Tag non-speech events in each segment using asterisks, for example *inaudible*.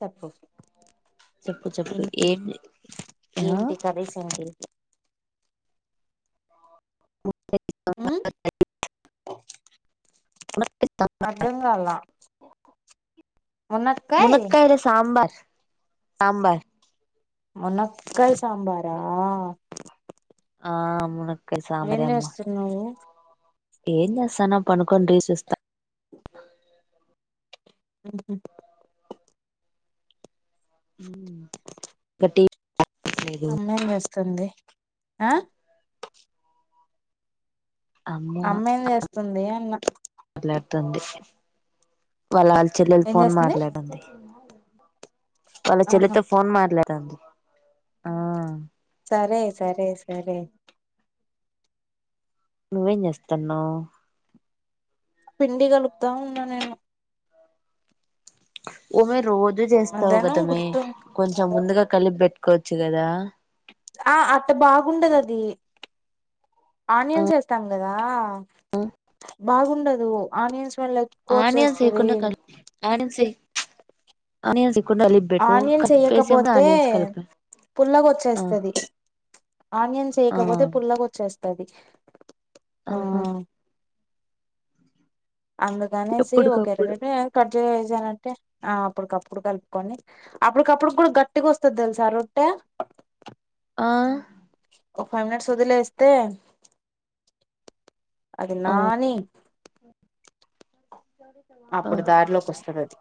చెప్పు చెప్పు చెప్పు ఏం ఆ ఏంటి కర్రీ సంగతి మ అంగాలా మునకాయల సాబార్ సాబార్ మునక్కయ సాబారా ఆవున అవేం చేస్తున్నావు ఏం చేస్తానో పనుకొని రీ చూస్తా ఆహ గడ్డి అమ్మాయిలు వస్తుంది ఆ అమ్మ అమ్మేం చేస్తుంది అన్న మ ంది వాళ్ళ వాళ్ళ చెల్లెలు ఏం ఫోన్ చేస్తుంది మాట్లాడండి వాళ్ళ ఆహా చెల్లెతో ఫోన్ మటలలేదడి ఆ సరే సరే సరే నువ్వేం చేస్తాన్నావ పిండి కలుపుతా ఉన్నా నేను ఓ మే రోజు చేస్తావు మధ్యాహ్నం కదామే గుర్తు కొంచం ముందుగా కలిపి పెట్టుకోవచ్చు కదా ఆ అట్ట బాగుండదు అది ఆ ఆనియన్స్ వేస్తాం కదా బాగుండదు ఆనియన్స్ వల్ల ఎక్కువ ఆనియన్ వచ్చేస్తది సకుడా కల్ ఆనిన్ ఆనిన్ కు అలి ఇకు ఆనియన్స్ కట్పేసి వేయకపోతే ఆనియన్స్ కల్ప ఆ ఆనియన్ ఆ చేయకపోతే పుల్లగొచ్చేస్తుంది ఆహా అందుకనేసి ఎప్పుటికప్పుడు ఒకరగ కట్ చేేసానంటే ఆ అప్పడుకప్పుడు కలిపి ని అప్పుడికప్పుడుకి కూడా గట్టిగా వస్తుంది తెలుసారు ఒట్టే ఆ ఒక ఫైవ్ మినట్స్ వదిలేస్తే అది ఆ నాని ఓ అప్పుడు దారిలోకి వస్తది అది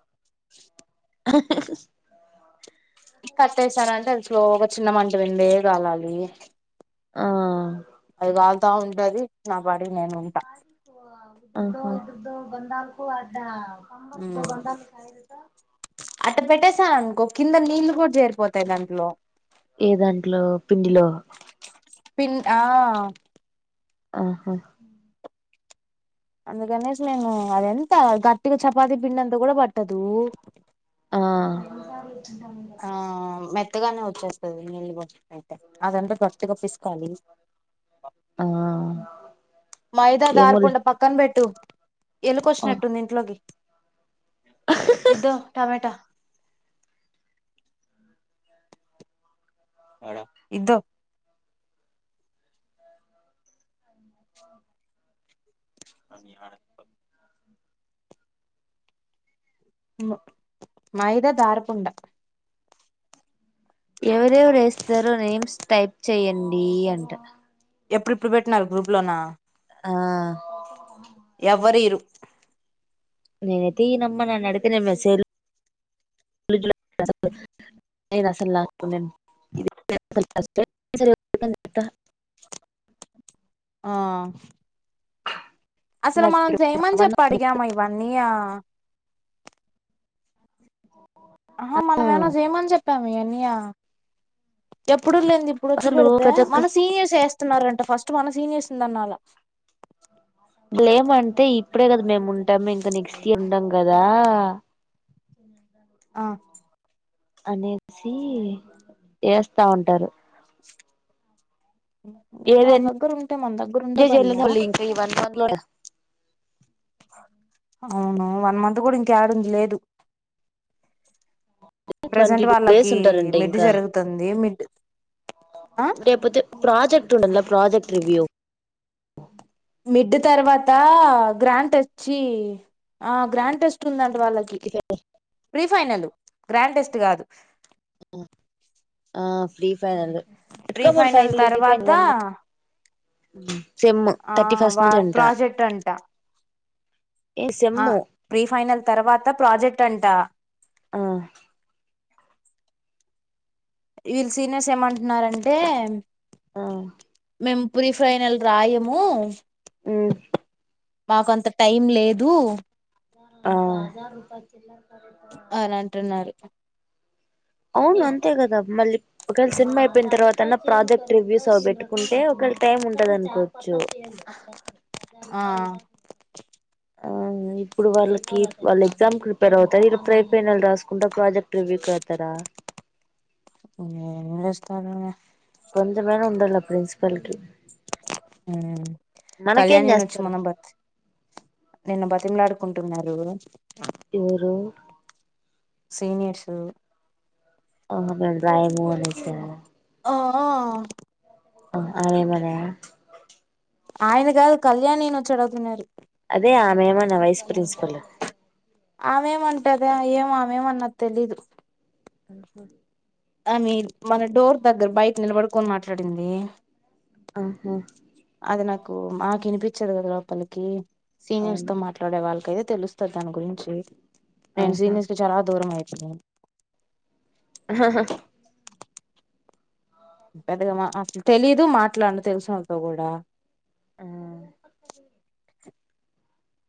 కట్టేసార అంటే అది స్లోగా చిన్న మంట విండే కాలాలి ఆ అది కాల్త ఉంటది నా పాటి బడకు ఉ ఇదు బందాలకు అద్ద ంబ దో ఉమ్ బంటాా అట్ట పెట్టేేశాను అనుకో కింద నీళ్లు కూడా చేరిపోతాయి దాంట్లో ఏ దాంట్లో పిండిలో పన్ ఆ ఆహా అందుకనేసి మేము అది ఎంత గట్టిగా చపాతి పిండి అంత కూడా పట్టదు ఆ ఆ మెత్తగానే వచ్చేస్తుది నీళ్ళు అదంటే గట్టిగా పిసికాలి ఆ మైదా ద ఏమోలే ఆారకుండ పక్కన పెట్టు ఆ ఎలుకొచ్చినట్టుంది ఇంట్లోకి ఇద టమటా ఇదూ ఆ అ ఆన మైదా దారపుండ ఎవరెవరు వేస్తారో నేమ్స్ టైప్ చెయయండి అంట ఎప్పుడు ఇప్పుడు పెట్టిన గ్రూప్ లోనా ఆ ఎవ్వరు ఇరు నేను తీనమ్మ నన్ను అడిగితే మెసేజ్ రసల్ *unintelligible* ఆ అసలు మనం చేయమని చెప్పి అడిగాము ఇవన్నీ ఆహ మనం ఏనా చేయమని చెప్పాము ఇ అన్న్య ఎప్పుడు లేదు ఇప్పుడు వచ్చి అసలు పెడితే ప్రతి ఒక్క మన సీనియర్స్ వేస్తున్నారంట ఫస్ట్ క సీనియర్స్ందాన్నాాల లేమంటే ఇప్పుడే కదా మేము ఉంటాము ఇంకా నెక్స్ట్ ఇయర్ ఉండం కదా ఆ అనేసి చేస్తా ఉంటారు ఏది వాళ్ళ దగ్గర ఉంటే మన దగ్గర ఉండ ఎంజాయ్ చేయలేని బల్లే వాళ్ళు ఇంకా ఈ వన్ మంత్ లో అవును వన్ మంత్ కూడా ఇంకాేడంది లేదు ట్వంటీ ప్రజెంట్ టూ డేస్ వాళ్ళకి ఉంటారంట మిడ్ జరుగుతుంది మిడ్ ఆ అే ఎపోతే ప్రాజెక్ట్ ఉండల ప్రాజెక్ట్ రివ్యూ మిడ్ తర్వాత గ్రాంట్ వచ్చి ఆ గ్రాంట్ వచ్చ వాళ్ళకి ప్రీఫైనల్ గ్రాండ్ టెస్ట్ కాదు ఆ ఫ్రీ ఫైనల్ ప్రీ ఇ మ ఫైనల్ ఫైైనల్ తర్వాత ఫ సెమ్ ఆ థర్టీ ఫస్ట్ వా నుంచింట ప్రాజెక్ట్ అంట ఆ ప్రీఫైనల్ తర్వాత ప్రాజెక్ట్ అంట ఆ వీళ్ళ సీనియర్స్ ఏమంటున్నారంటే ఆ మేము ప్రీ ఫైనల్ రాయము ఆ మాకు అంత టైం లేదు ఆ అని అంటున్నారు అవును అంతే కదా మళ్ళీ ఒకవేళ సినిమా అయిపోయిన తర్వాత అన్నా ప్రాజెక్ట్ రివ్యూస్ అ పెట్టుకుంటే ఒక టైమ్ ఉంటద అనికోవచ్చు ఆ ఆ ఇప్పుడు వాళ్ళకి వాళ్ళు ఎగ్జామ్ ప్రిపేర్ అవుతారు ఇ ప్రై ఫైనల్ రాసుకుంటా ప్రాజెక్ట్ వి కాతర ఏ వస్త కొంచంచమేరం ఉండల ప్రిసిపల్కి మనకేం కళ్యాణన వచ్చు చేస్తారు మొన బర్త్ నిన్న బత్ తిమ్లాడుకుంటున్నారు యరో సీనియర్సు ఆహ మ ప్రా మూనిస ఆ అరే మయా ఆయన కాదు కళ్యాణ్ నయన వచ్చాడువుతున్నారు అదే ఆమయమా నా వైస్ ప్రిన్సిపల్ ఇద ఏం మామేం అన్న తెలిదు పండుకోవాలి ఆ మీ మన డోర్ దగ్గర బయట నిలబడుకొని మాట్లాడింది ఆహా అది నాకు మాకు వినిపించదు కదా లోపలికి సీనియర్స్ తో అవును మాట్లాడే వాళ్ళకైతే తెలుస్తాది దాని గురించి నేను ఆహా సీనియస్ కి చాలా దూరం మైతిని అ హ హ పెద్దగా మా అసలు తెలీదు మాట్లాడను తెలిసినోల్లోతో కూడా ఆ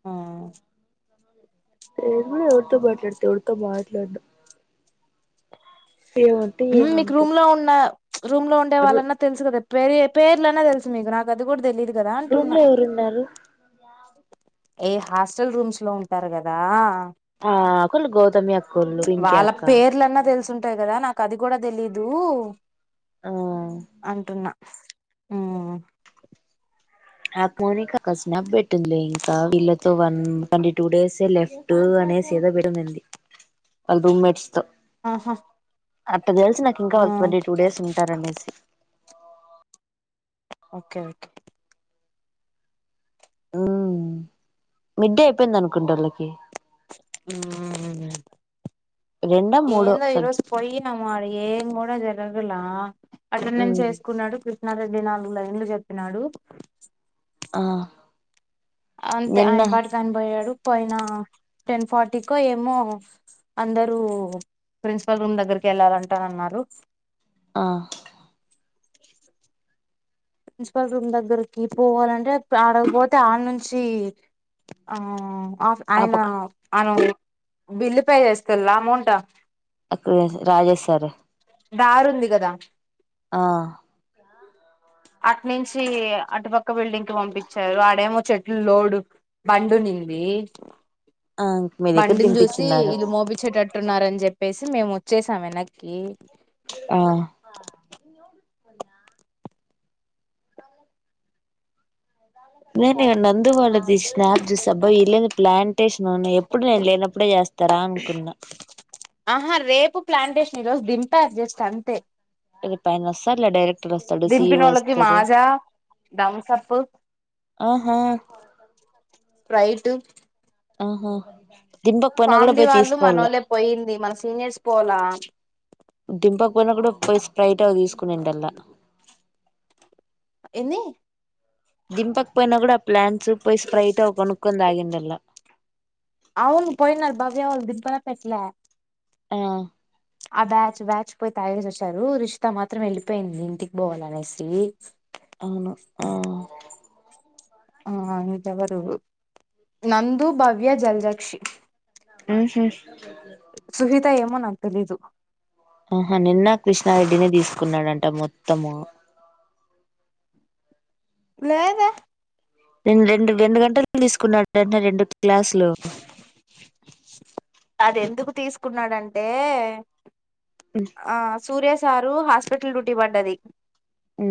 ఆ నేను కూడా ఎవరితో మాట్లాడుతా ఎవరితో మాట్లాడను ఏమంటే హు నీకు ఏమంతే రూమ్ లో ఉన్న రూమ్ లో ఉండే రు వాళ్ళన్నా తెలుసు కదా పేర్లున్నా తెలుసు నీకు నాకు అది కూడా తెలియదు రూమ్ లో ఎవరు ఉన్నారు ఏ హాస్టల్ రూమ్స్ లో ఉంటారు కదా ఆ అకోలు గౌతమి అకోళ్ళు పింకీ అక్క తుంటాయ్ కదా నాకు అది కూడా తెలీదు ఆ అంటున్నా ఆ నాక్ మౌనిక అక్క స్నాప్ పెట్టింది లే ఇంకా వీళ్లతో one twenty two days left అ అనేసి ఏందో పెట్టేసింది వాళ్ళ రూమ్మేట్ తో ఆహా అట్ట తెలుసు నాకి ఇంకా ఆ ట్వంటీ టూ డేస్ ఉంటారు అనేసి ఓకే ఓకే హుమ్ మిడ్డేపోయింది అనుకుంట వాళ్ళకి హుమ్ రెండో మూడో ఏందో సబ్జె ఈరోజు పోయినము ఆదికి ఎం కూడా జరగల అటెండెన్స్ మ్మ్ ఏసుకున్నాడు కృష్ణారెడ్డి నాలుగు లైన్లు చెప్పినాడు ఆ అంతే నిన్న ఆయన పాటికి ఆయన పోయాడు పోయిన టెన్ ఫార్టీకో ఏమో అందరూ ప్రిన్సిపల్ రూమ్ దగ్గరకి వెళ్ళాలంటా అన్నారు ఆ ప్రిన్సిపల్ రూమ్ దగ్గరకి పోవాలంటే ఆడకిపోతే ఆడ నుంచి ఆ ఆఫ్ ఆ ఆయన పక్క ఆయన బిల్లు పే చేసుల్ లామౌంట్ ఒక్క నిమిషం రాజేశ్ సారె దారూంది కదా ఆ అటునుంచి అటుపక్క బిల్డింగ్ కి పంపించారు ఆడేమో చెట్లు లోడు బండి ఉం ది ఆ మీ దగ్గర బండిని చూసి దింపించున్నారు ఇళ్ళూ మోపిచేటట్ టున్నారని చెప్పేసి మేము వచ్చేసాం వెనక్కి ఆ నేను ఇ నందు వాళ్ళది స్నాప్ చూసి అబ్బ వీళ్ళు ఏంది ప్లాన్ టేషన్ ఎప్పుడు నేను లేనప్పుడే చేస్తారా అనుకున్నా ఆహా రేపు ప్లాంటేషన్ ఈ రోజు దింపారు జస్ట్ అంతే రేపు ఆయన వస్తారు లే డైరెక్టర్ వస్తాడు సిఈఓ దింపినోళ్ళకి వస్తారు మాజా థమ్సప్ ఆహా రైట్ ఆహా దింపకపోయినా కూడా ఫామిడి పోయి వాళ్ళు తీసుకోవాల మనోళ్లే పోయింది మన సీనియర్స్ పోలా దింపకపోయినా కూడా పోయి స్ప్రైట్ గా తీసుకొని ఉండాల్ల ఏంది దింపక పోయినా కూడా, ఆ ప్లాంట్స్ పోయి స్ప్రైట్ కొనుక్కొని తాగిందల్లా. అవును పోయినారు. భవ్య వాళ్ళు దింపాలే పెట్లే ఆ ఆ బ్యాచ్ బ్యాచ్ పోయి తెగేసి వచ్నారు. రుషిత మాత్రం వెళ్ళిపోయింది. ఇంటికి పోవాల అనేసి అవును ఆ ఆ మిగ్త ఎవరు నందు, భవ్య, జల్జాక్షి ఉహు అంతా ఏమో నాకు తెలిదు ఆహా నిన్న కృష్ణారెడ్డి నే, తీసుకున్నాడంట మొత్తము. లేదే రెం రెండు రెండు గంటలు తీసుకున్నాడుంట రెండు క్లాసులు అదేందుకు తీసుకున్నాడంటే ఆ సూర్య సారు హాస్పిటల్ డ్యూటీ పడ్డది ఉ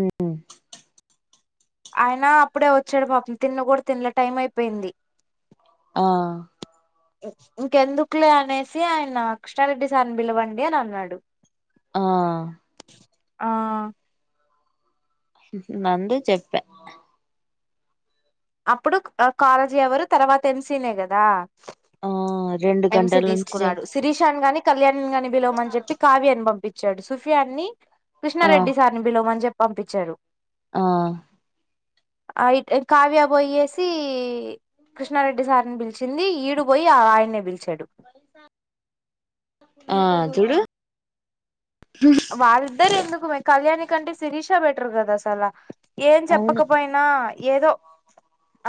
ఆయన అప్పుడే వచ్చాడు పాపం తినను కూడా తినలే టైం అయిపోయింది ఆ ఇంకెందుకులే అనేసి ఆయన కృష్ణారెడ్డి సార్ని పిలవండి అని అన్నాడు ఆ ఆ నందు చెప్పా అప్పుడు కాలేజీ ఎవరు తర్వాత ఎన్సినే కదా ఆ రెండు ఎంసీ గంటల నుంచి చెప్ తీసుకున్నాడు శిరీషాని గాని కళ్యాణిని గాని పిలవమని చెప్పి కావ్యాన్ని పంపించాడు సోఫియాని ఆ కృష్ణారెడ్డి సార్ని పిలవమని చెప్పి పంపించారు ఆ అయితే కావ్య పోయ్యేసి కృష్ణారెడ్డి సార్ని పిలిచింది ఈడు పొయ్యి ఆయ్యన్నీ పిలిచ చెడు ఆ చూడు వాళ్ళిద్దరు ఎందుకుమే కళ్యాణి కంటే శిరీషా బెటర్ కదా అసలా ఏం అవును చెప్పకపోయినా ఏదో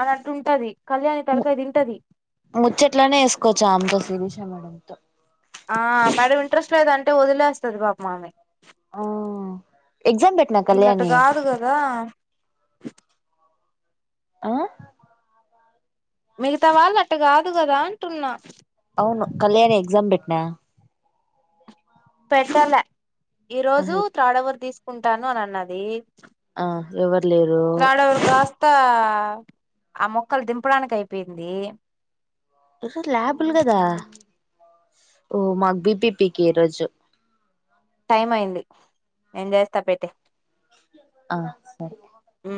అనంటుంటది ము ముచ్చట్రైన వేసుకోవచ్చా ఆమేతో శిరీష మేడంతో ఆ మేడం ఇంట్రెస్ట్ లేదంటే వదిలేస్తది పాపం ఆమె ఆ ఎగ్జామ్ పెట్నా వీళ్ళట్టు కళ్యాణి కాదు కదా ఆ మిగతా వాళ్ళు అట్ట కాదు కదా అంటున్నా అవును కళ్యాణి ఎగ్జామ్ పెట్నా పెట్టల ఈరోజు త్రాడవరు తీసుకుంటాను అని అన్నది ఆ ఎవరు లేరు త్రాడవర్ కాస్త ఆ ఆ మొక్కలు దింపడానికి అయిపోయింది ఈ రజు ల్యాబులు కదా ఓ మాకు బిపిపీకి ఈ రోజు టైం అయింది నేన్ చేస్తా పెట్టెయ్ ఆ సరే మ్